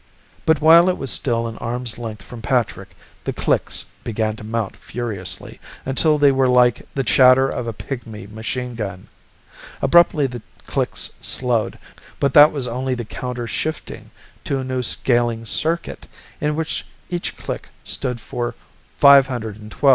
But while it was still an arm's length from Patrick, the clicks began to mount furiously, until they were like the chatter of a pigmy machine gun. Abruptly the clicks slowed, but that was only the counter shifting to a new scaling circuit, in which each click stood for 512 of the old ones.